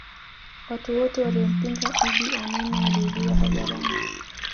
watu wote waliompinga iddi amini waliuliwa hadharani